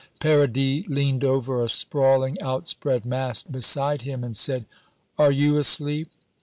Paradis leaned over a sprawling outspread mass beside him and said, "Are you asleep?"